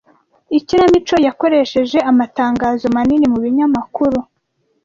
Ikinamico yakoresheje amatangazo manini mu binyamakuru.